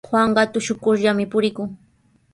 Juanqa tushukurllami purikun.